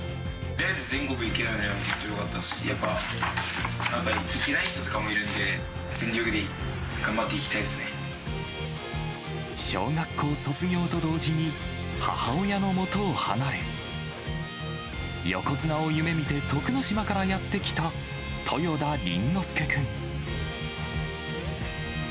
やっぱ行けない人とかもいるんで、小学校卒業と同時に、母親のもとを離れ、横綱を夢みて徳之島からやって来た豊田倫之亮君。